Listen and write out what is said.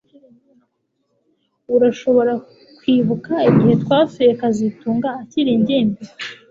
Urashobora kwibuka igihe twasuye kazitunga akiri ingimbi